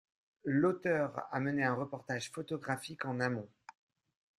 L'auteur a mené un reportage photographique en amont.